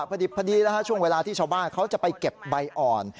พอดีนะฮะช่วงเวลาที่ชาวบ้านเขาจะไปเก็บใบอ่อน